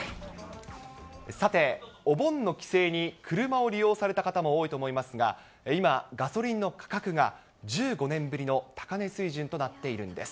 さて、お盆の帰省に車を利用された方も多いと思いますが、今、ガソリンの価格が、１５年ぶりの高値水準となっているんです。